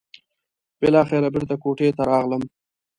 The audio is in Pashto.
بالاخره بېرته کوټې ته راغلم.